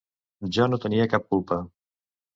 Jo no tenia cap culpa.